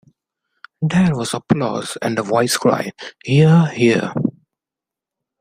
There was applause, and a voice cried: "Hear, hear!"